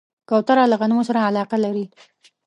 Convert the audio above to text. کوتره له غنمو سره علاقه لري.